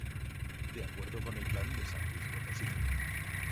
De acuerdo con el Plan de San Luis Potosí.